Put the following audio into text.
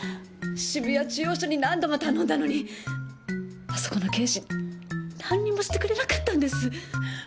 渋谷中央署に何度も頼んだのにあそこの刑事何にもしてくれなかったんです